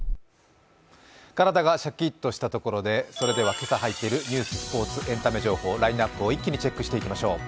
体がシャキッとしたところで、ここまでに入っているニュース、スポーツ、エンタメ情報、一気にチェックしていきましょう。